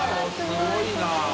發すごいな！